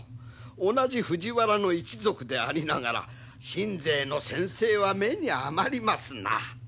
同じ藤原の一族でありながら信西の専制は目に余りますな。